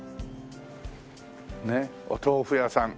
ねえお豆腐屋さん。